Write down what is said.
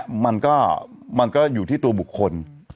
มันก็มันก็อยู่ที่ตัวบุคคล